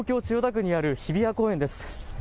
千代田区にある日比谷公園です。